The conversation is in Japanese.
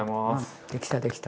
できたできた！